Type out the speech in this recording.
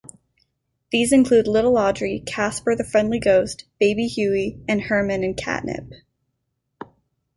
These include Little Audrey, Casper the Friendly Ghost, Baby Huey, and Herman and Katnip.